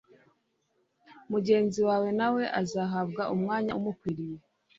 mugenzi wawe na we azahabwa umwanya umukwiye.